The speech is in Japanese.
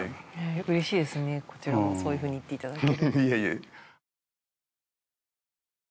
うれしいですねこちらこそそういうふうに言っていただけると。